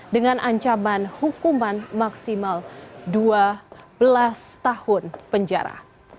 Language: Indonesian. dengan ancaman hukuman maksimal dua belas tahun penjara